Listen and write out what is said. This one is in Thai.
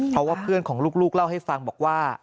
เพราะว่าเพื่อนของลูกเล่าให้ฟังบอกว่า